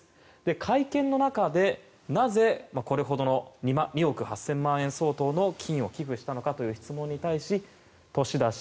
会見の中で、なぜこれほどの２億８０００万円相当の金を寄付したのかという質問に対し年だし